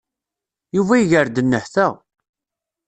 Yuba iger-d nnehta.